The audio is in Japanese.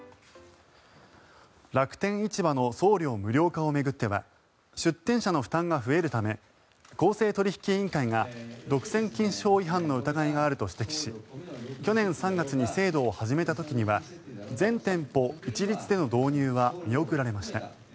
楽天市場の送料無料化を巡っては出店者の負担が増えるため公正取引委員会が独占禁止法違反の疑いがあると指摘し去年３月に制度を始めた時には全店舗一律での導入は見送られました。